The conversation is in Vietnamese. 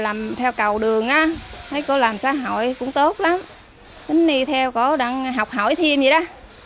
bệnh viện theo cầu đường thấy cô làm xã hội cũng tốt lắm đến nay theo cô đang học hỏi thêm vậy đó